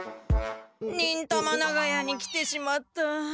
忍たま長屋に来てしまった。